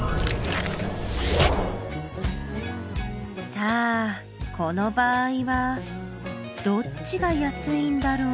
さあこの場合はどっちが安いんだろう？